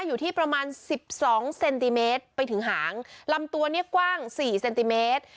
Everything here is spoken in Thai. อยู่ที่ประมาณสิบสองเซนติเมตรไปถึงหางลำตัวเนี่ยกว้างสี่เซนติเมตร